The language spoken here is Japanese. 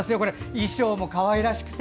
衣装もかわいらしくて。